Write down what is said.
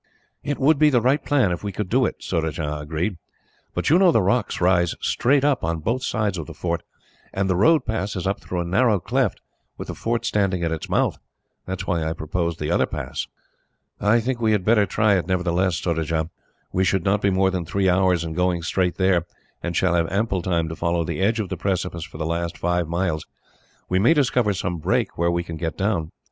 "It would be the right plan, if we could do it," Surajah agreed; "but you know the rocks rise straight up on both sides of the fort, and the road passes up through a narrow cleft, with the fort standing at its mouth. That is why I proposed the other pass." "I think we had better try it, nevertheless, Surajah. We should not be more than three hours in going straight there, and shall have ample time to follow the edge of the precipice for the last five miles. We may discover some break, where we can get down.